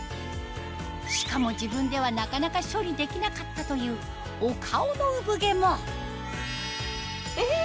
しかも自分ではなかなか処理できなかったというお顔の産毛もえ！